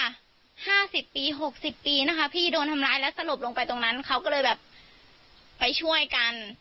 ห้าสิบปีหกสิบปีนะคะพี่โดนทำร้ายแล้วสลบลงไปตรงนั้นเขาก็เลยแบบไปช่วยกัน